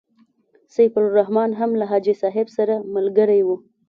سیف الرحمن هم له حاجي صاحب سره ملګری وو.